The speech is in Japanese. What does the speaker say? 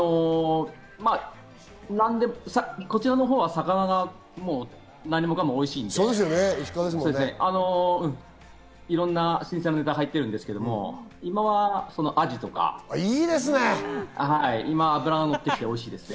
こちらは魚が何もかもおいしいので、いろんな新鮮なネタが入ってるんですけど、今はアジとか、脂がのってきておいしいですね。